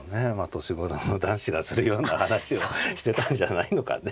年頃の男子がするような話をしてたんじゃないのかね。